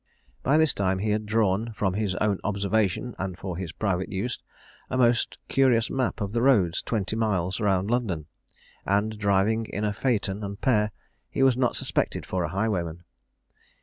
By this time, he had drawn, from his own observation and for his private use, a most curious map of the roads twenty miles round London; and, driving in a phaeton and pair, he was not suspected for a highwayman.